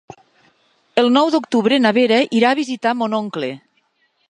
El nou d'octubre na Vera irà a visitar mon oncle.